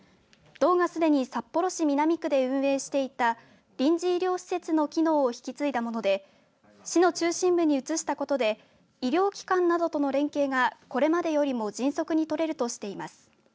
道がすでに札幌市南区で運営していた臨時医療施設の機能を引き継いだもので市の中心部に移したことで医療機関などとの連携がこれまでよりも迅速に取れるとしています。